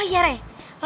oh iya ray lo tau belum